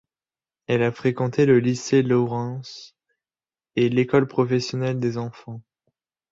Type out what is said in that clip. Elle a fréquenté le lycée Lawrence et l'école professionnelle des enfants.